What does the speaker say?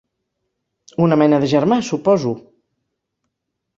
Una mena de germà, suposo?